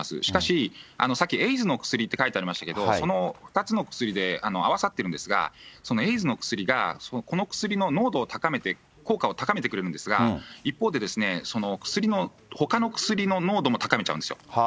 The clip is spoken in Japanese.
しかし、さっきエイズの薬って書いてありましたけど、その２つの薬で合わさってるんですが、そのエイズの薬がこの薬の濃度を高めて、効果を高めてくれるんですが、一方で、ほかの薬の濃度も高めちゃうんですよ。